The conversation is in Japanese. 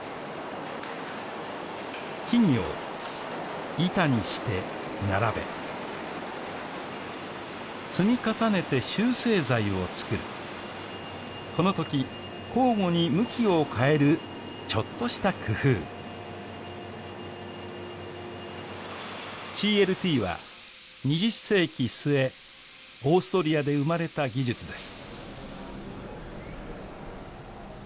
木々を板にして並べ積み重ねて集成材を作るこのとき交互に向きを変えるちょっとした工夫ＣＬＴは２０世紀末オーストリアで生まれた技術です